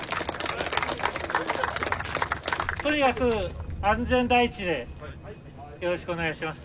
とにかく安全第一でよろしくお願いします。